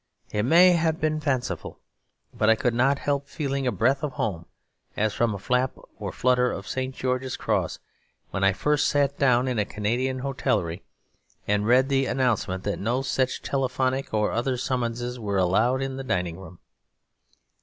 It may have been fanciful, but I could not help feeling a breath of home, as from a flap or flutter of St. George's Cross, when I first sat down in a Canadian hostelry, and read the announcement that no such telephonic or other summonses were allowed in the dining room.